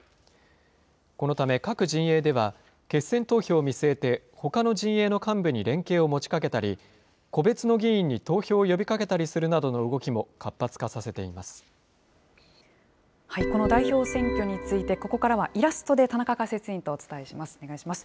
このため、各陣営では決選投票を見据えて、ほかの陣営の幹部に連携を持ちかけたり、個別の議員に投票を呼びかけたりするなどの動きも活発化させていこの代表選挙について、ここからはイラストで田中解説委員とお伝えします。